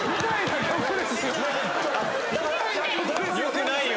よくないよ。